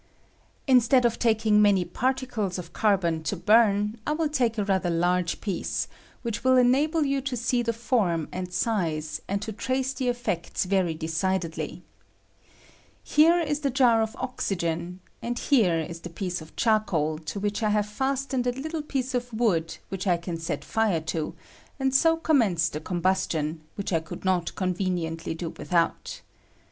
Instead of taking many particles of carbon to burn I will take a rather large piece, which will enable you to see the form and size, and to trace the effects very decidedly. Here is the I^K 168 CARBON BURNS WITH A SPARK, jar of oxygen, and here is the piece of charcoal, i to which I have fastened a httle piece of wood, ■which I can set fire to, and so commence the combustion, which I could not conveniently do I without.